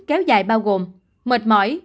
kéo dài bao gồm mệt mỏi